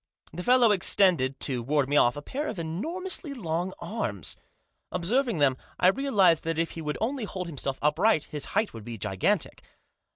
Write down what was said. The fellow extended, to ward me off, a pair of enormously long arms. Observing them, I realised that if he would only hold himself upright his height would be gigantic.